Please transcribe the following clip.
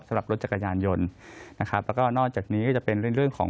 สำหรับรถจักรยานยนต์นะครับแล้วก็นอกจากนี้ก็จะเป็นเรื่องของ